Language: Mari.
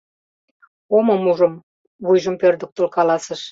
— Омым ужым, - вуйжым пӧрдыктыл каласыш.